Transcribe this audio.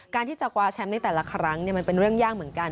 ที่จะคว้าแชมป์ในแต่ละครั้งมันเป็นเรื่องยากเหมือนกัน